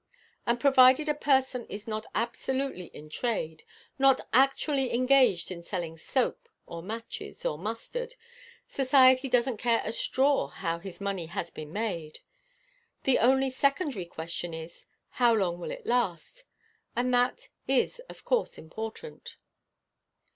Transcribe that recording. And provided a person is not absolutely in trade, not actually engaged in selling soap, or matches, or mustard, society doesn't care a straw how his money has been made. The only secondary question is, How long will it last? And that is of course important.'